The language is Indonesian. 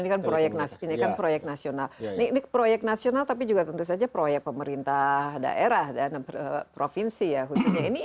ya karena ini kan proyek nasional ini proyek nasional tapi juga tentu saja proyek pemerintah daerah dan provinsi ya khususnya